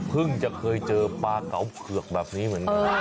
จะเคยเจอปลาเก๋าเผือกแบบนี้เหมือนกัน